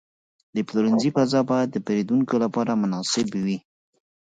د پلورنځي فضا باید د پیرودونکو لپاره مناسب وي.